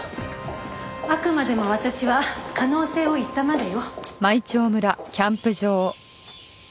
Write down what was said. あくまでも私は可能性を言ったまでよ。